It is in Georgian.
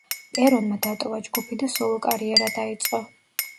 პერონმა დატოვა ჯგუფი და სოლო-კარიერა დაიწყო.